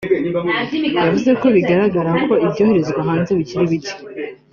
yavuze ko bikigaragara ko ibyoherezwa hanze bikiri bike